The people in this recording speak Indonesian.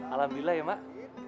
alhamdulillah ya mak